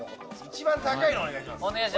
一番高いのお願いします。